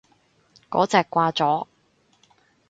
嗰隻掛咗